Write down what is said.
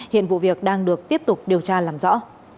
hiện vụ việc đang được tiếp tục điều tra làm rõ